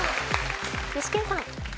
具志堅さん。